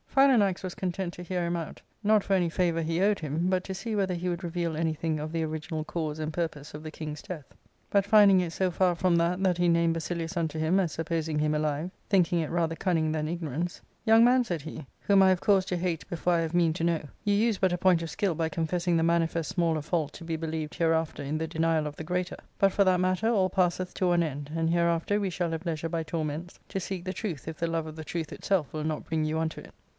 Philanax was content to hear him out, not for any favour he owed him, but to see whether he would reveal anything .of the original cause and purpose of the king's death. But ARCADIA. ^Book IK 435 iindiilg it so far from that that he named Basilius unto him, as supposing him alive, thinking it rather cunning than ignor^ ance, " Young man," said he, whom I have cause to hate before J have mean to know, you use but a point of skill by confessing the manifest smaller fault to be believed hereafter in the denial of the greater. But, for that matter, all passeth to one end, and hereafter we shall have leisure by torments to seek the truth if the love of the truth itself will not bring you unto it.